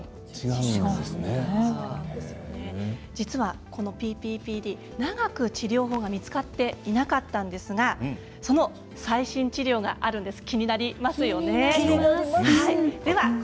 実は、このＰＰＰＤ長く治療法が見つかっていなかったんですがその最新治療があるんです。